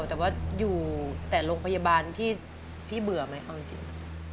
แต่ว่าอยู่แต่โรงพยาบาลพี่เบื่อไหมเอาจริง